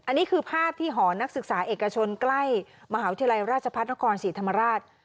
อันนี้คือภาพที่หอนักศึกษาเอกชนใกล้มหาวิทยาลัยราชพัฒนครศรีธรรมราช